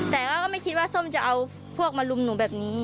แต่ว่าก็ไม่คิดว่าส้มจะเอาพวกมารุมหนูแบบนี้